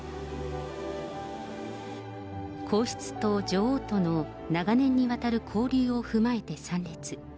皇室と女王との長年にわたる交流を踏まえて参列。